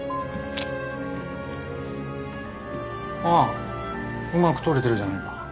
おううまく撮れてるじゃないか。